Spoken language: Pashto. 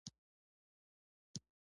د بنګ دانه د څه لپاره وکاروم؟